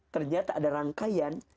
ternyata ada rangkaian